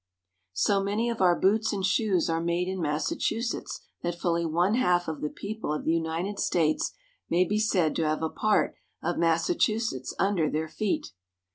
So many of our boots and shoes are made in Massachu setts that fully one half of the people of the United States may be said to have a part of Massachusetts under their feet.